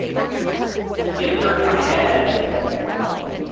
It hurt my head.